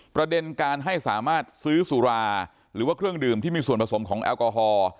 ประเด็นการให้สามารถซื้อสุราหรือว่าเครื่องดื่มที่มีส่วนผสมของแอลกอฮอล์